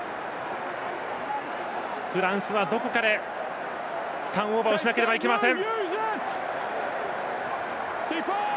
フランスはどこかでターンオーバーしなければいけません。